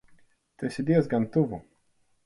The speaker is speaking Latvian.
Tu esi diezgan tuvu.